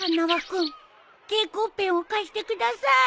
君蛍光ペンを貸してください！